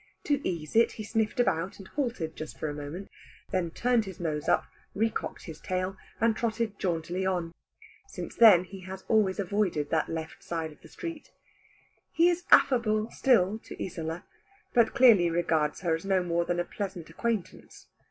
To ease it, he sniffed about, and halted just for a moment, then turned his nose up, recocked his tail, and trotted jauntily on. Since then he has always avoided that left side of the street. He is affable still to Isola, but clearly regards her as no more than a pleasant acquaintance.